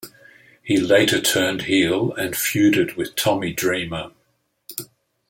He later turned heel and feuded with Tommy Dreamer.